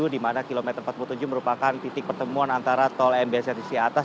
di mana kilometer empat puluh tujuh merupakan titik pertemuan antara tol mbs yang sisi atas